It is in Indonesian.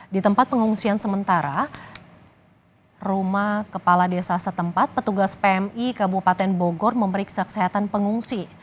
di tempat pengungsian sementara rumah kepala desa setempat petugas pmi kabupaten bogor memeriksa kesehatan pengungsi